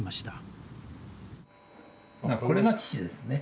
これが父ですね。